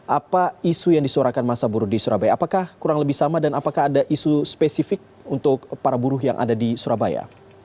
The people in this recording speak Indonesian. apa isu yang disuarakan masa buruh di surabaya apakah kurang lebih sama dan apakah ada isu spesifik untuk para buruh yang ada di surabaya